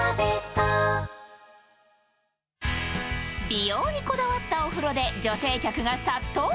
美容にこだわったお風呂で女性客が殺到。